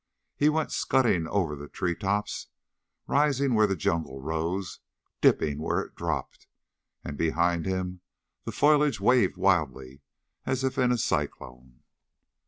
He went scudding over the tree tops, rising where the jungle rose, dipping where it dropped, and behind him the foliage waved wildly as if in a cyclone.